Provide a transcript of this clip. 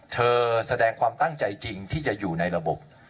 แสดงความตั้งใจจริงที่จะอยู่ในระบบ